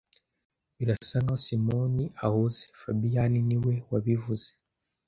Birasa nkaho Simoni ahuze fabien niwe wabivuze